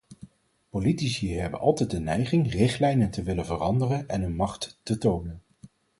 Politici hebben altijd de neiging richtlijnen te willen veranderen en hun macht te tonen.